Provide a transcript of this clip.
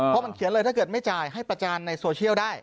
เพราะมันเขียนเลยถ้าเกิดไม่จ่ายให้ประจานในโซเชียลได้